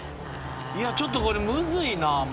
いやちょっとこれむずいなマジで。